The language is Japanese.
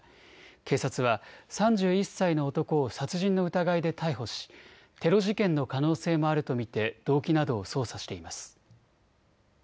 警察は３１歳の男を殺人の疑いで逮捕しテロ事件の可能性もあると見て動機などを捜査しています。